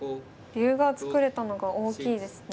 竜が作れたのが大きいですね。